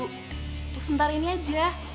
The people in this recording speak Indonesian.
untuk sebentar ini aja